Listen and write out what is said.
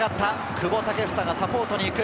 久保がサポートに行く。